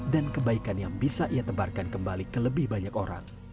dan kebaikan yang bisa ia tebarkan kembali ke lebih banyak orang